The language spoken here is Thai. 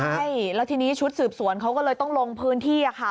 ใช่แล้วทีนี้ชุดสืบสวนเขาก็เลยต้องลงพื้นที่ค่ะ